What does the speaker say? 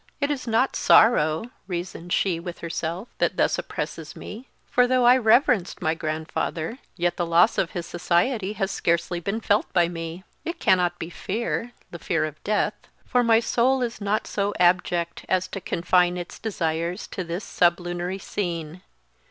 "It is not sorrow," reasoned she with herself, "that thus oppresses me; for though I reverenced my grandfather, yet the loss of his society has scarcely been felt by me. It cannot be fear the fear of death; for my soul is not so abject as to confine its desires to this sublunary scene.